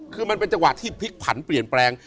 คือมันเป็นจังหวะที่พลิกผันเปลี่ยนแปลง